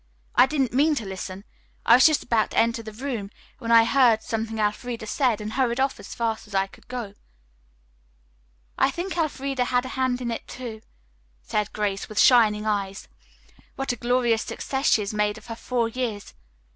I didn't mean to listen. I was just about to enter the room when I heard something Elfreda said and hurried off as fast as I could go." "I think Elfreda had a hand in it, too," said Grace, with shining eyes. "What a glorious success she has made of her four years.